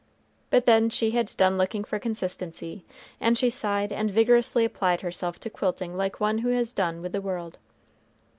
But then she had done looking for consistency; and she sighed and vigorously applied herself to quilting like one who has done with the world.